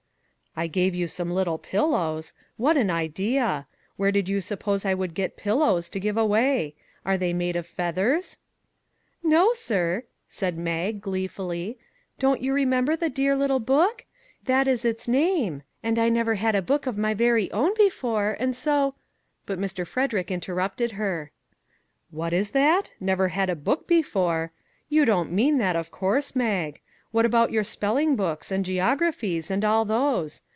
" I gave you some little pillows ! What an idea ! Where did you suppose I would get pil lows to give away? Are they made of feathers ?"" No, sir," said Mag, gleefully. " Don't you remember the dear little book? That is its name. And I never had a book of my very own before, and so " But Mr. Frederick interrupted her. " What is that ? Never had a book before ! You don't mean that, of course, Mag. What about your spelling books, and geographies, and all those?